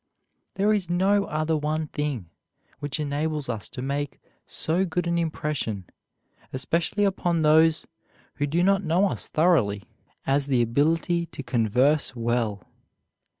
There is no other one thing which enables us to make so good an impression, especially upon those who do not know us thoroughly, as the ability to converse well.